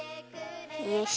よし。